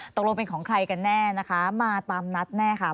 ตกลงเป็นของใครกันแน่นะคะมาตามนัดแน่ค่ะ